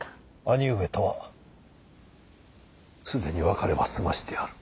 兄上とは既に別れは済ませてある。